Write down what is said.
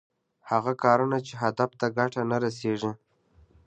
هغه کارونه چې هدف ته ګټه نه رسېږي.